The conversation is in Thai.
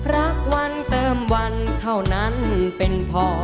รักวันเติมวันเท่านั้น